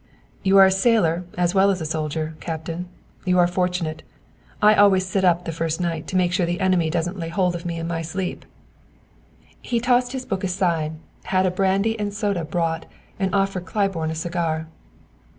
"You are a sailor as well as a soldier, Captain. You are fortunate; I always sit up the first night to make sure the enemy doesn't lay hold of me in my sleep." He tossed his book aside, had brandy and soda brought and offered Claiborne a cigar.